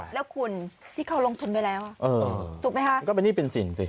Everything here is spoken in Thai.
แล้วคุณที่เขาลงทุนไปแล้วถูกไหมคะมันก็เป็นหนี้เป็นสินสิ